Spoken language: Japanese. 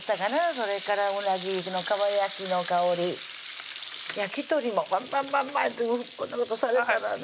それからうなぎのかば焼きの香り焼き鳥もパンパンパンパンってこんなことされたらね